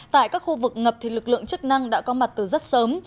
tại các khu vực ngập lực lượng chức năng đã có mặt từ rất sớm